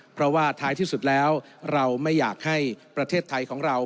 เพราะว่าท้ายที่สุดแล้วเราไม่อยากให้ประเทศไทยของเรา